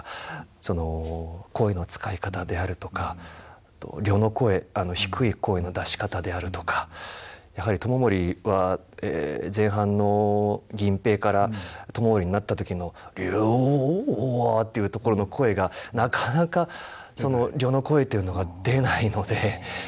その声の使い方であるとか呂の声低い声の出し方であるとかやはり知盛は前半の銀平から知盛になった時の「余は」っていうところの声がなかなか呂の声というのが出ないので。